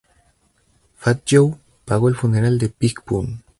Fat Joe pagó el funeral de Big Pun.